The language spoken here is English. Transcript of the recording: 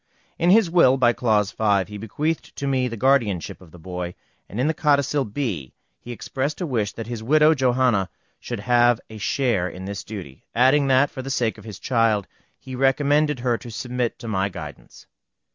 In his will, by clause 5, he bequeathed to me the guardianship of the boy, and in the codicil B he expressed a wish that his widow, Johanna, should have a share in this duty, adding that, for the sake of his child, he recommended her to submit to my guidance.